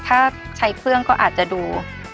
ถ้าใช้เครื่องก็อาจจะดู